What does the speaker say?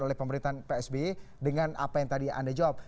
oleh pemerintahan psb dengan apa yang tadi anda jawab